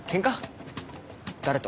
誰と？